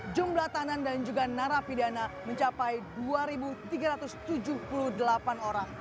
jumlah tanan dan juga narapidana mencapai dua tiga ratus tujuh puluh delapan orang